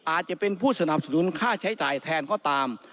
อาจจะเป็นผู้สนับสนุนค่าใช้จ่ายแทนก็ตาม